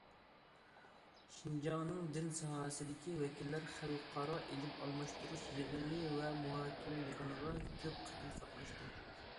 شىنجاڭنىڭ دىن ساھەسىدىكى ۋەكىللىرى خەلقئارا ئىلىم ئالماشتۇرۇش يىغىنى ۋە مۇھاكىمە يىغىنىغا كۆپ قېتىم قاتناشتى.